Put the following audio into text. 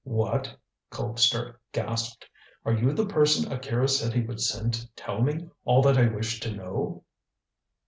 "What?" Colpster gasped. "Are you the person Akira said he would send to tell me all that I wished to know?"